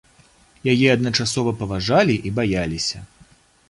Яе адначасова паважалі і баяліся.